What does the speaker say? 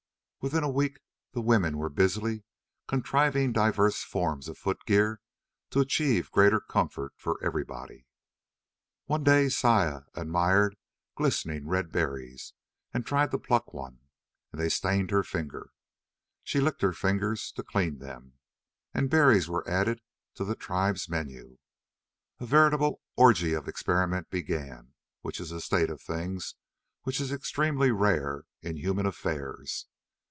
Within a week the women were busily contriving diverse forms of footgear to achieve greater comfort for everybody. One day Saya admired glistening red berries and tried to pluck one, and they stained her fingers. She licked her fingers to clean them, and berries were added to the tribe's menu. A veritable orgy of experiment began, which is a state of things which is extremely rare in human affairs.